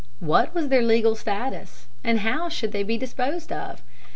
What was their legal status, and how should they be disposed of?